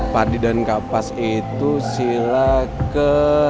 padi dan kapas itu sila ke